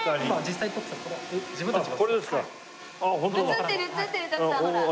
映ってる映ってる徳さんほら。